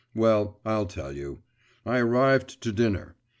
… Well, I'll tell you. I arrived to dinner.